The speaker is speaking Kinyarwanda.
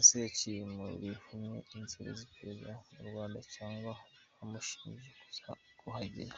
Ese yaciye mu rihumye inzego z’iperereza z’u Rwanda cyangwa zamufashije kuhagera?